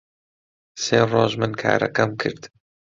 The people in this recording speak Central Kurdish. سێ ڕۆژ من کارەکەم کرد